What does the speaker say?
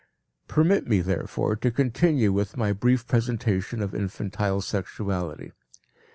Permit me, therefore, to continue with my brief presentation of infantile sexuality.